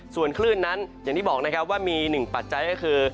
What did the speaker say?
ส่วนคลื่นนั้นอย่างที่บอกนะครับว่ามีหนึ่งปัจจัยก็คือ